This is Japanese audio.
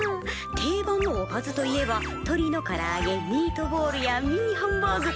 定番のおかずといえばとりのからあげミートボールやミニハンバーグ。